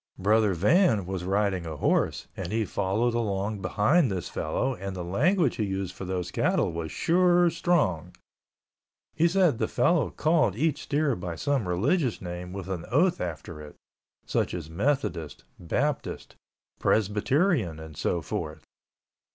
Brother Van was riding a horse and he followed along behind this fellow and the language he used for those cattle was sure strong. He said the fellow called each steer by some religious name with an oath after it, such as Methodist, Baptist, Presbyterian, and so forth.